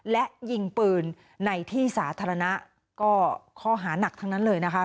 และยิงปืนในที่สาธารณะก็ข้อหานักทั้งนั้นเลยนะคะ